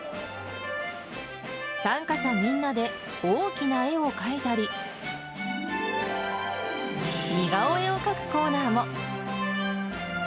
参加者みんなで大きな絵を描いたり、似顔絵を描くコーナーも。